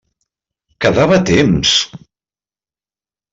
Quedava temps!